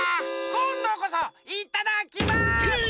こんどこそいただきま。